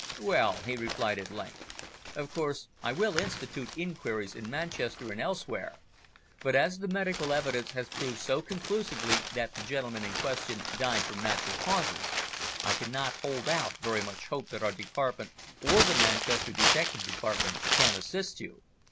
"Well," he replied at length, "of course I will institute inquiries in Manchester and elsewhere, but as the medical evidence has proved so conclusively that the gentleman in question died from natural causes, I cannot hold out very much hope that out Department or the Manchester Detective Department can assist you.